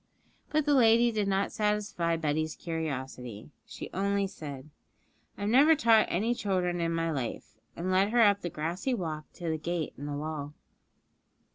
But the lady did not satisfy Betty's curiosity; she only said, 'I have never taught any children in my life,' and led her up the grassy walk to the gate in the wall.